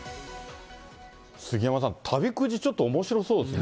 杉山さん、旅くじ、ちょっとおもしろそうですね。